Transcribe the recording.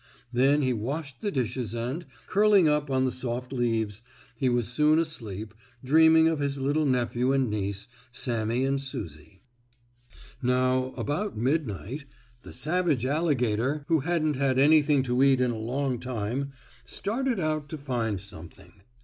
Then he washed the dishes and, curling up on the soft leaves, he was soon asleep, dreaming of his little nephew and niece, Sammie and Susie. Now, about midnight, the savage alligator, who hadn't had anything to eat in a long time, started out to find something.